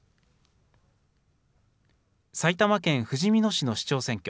埼玉県ふじみ野市の市長選挙。